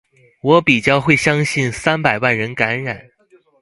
我比較會相信三百萬人感染